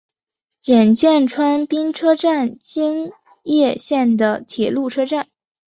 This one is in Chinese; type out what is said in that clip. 检见川滨车站京叶线的铁路车站。